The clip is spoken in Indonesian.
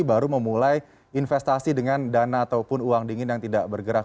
baru memulai investasi dengan dana ataupun uang dingin yang tidak bergerak